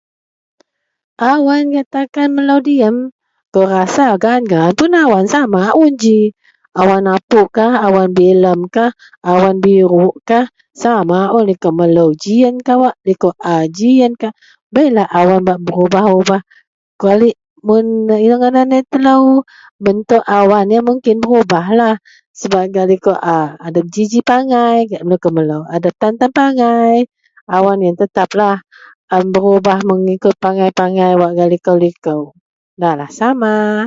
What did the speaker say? Awan gak takan melo diyem kou rasa gaan gaan pun awan sama ji awan apoukkah awan bilem kah awan biroukkah sama un likou melo giyen kawak liko a giyen kawak bei lah awan bak berubah kaliek ito laei kelo bentuk awan kaliek berubah mengikut pangai gak liko-liko ndalah sama.